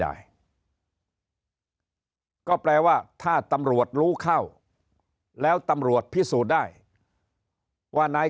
ได้ก็แปลว่าถ้าตำรวจรู้เข้าแล้วตำรวจพิสูจน์ได้ว่านาย